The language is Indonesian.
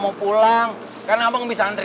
makasih bang wahab